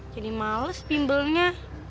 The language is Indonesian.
jadi males bimbelnya